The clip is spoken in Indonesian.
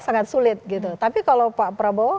sangat sulit gitu tapi kalau pak prabowo